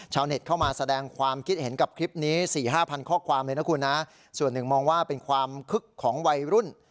เน็ตเข้ามาแสดงความคิดเห็นกับคลิปนี้สี่ห้าพันข้อความเลยนะคุณนะส่วนหนึ่งมองว่าเป็นความคึกของวัยรุ่น